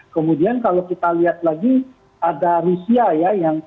kemudian kalau kita lihat lagi ada rusia ya yang ternyata mengelola